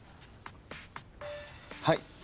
はい。